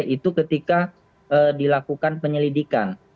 itu ketika dilakukan penyelidikan